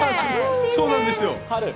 そうなんですよ。